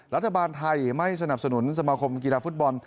รัฐบาลไทยไม่สนับสนุนสมาคมกีฬาฟุตบอล